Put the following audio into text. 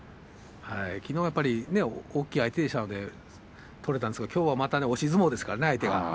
きのうは大きい相手でしたので取れたんですけどきょうはまた押し相撲ですからね、相手が。